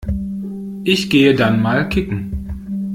Ich gehe dann mal kicken.